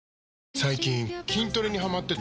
最近筋トレにハマってて。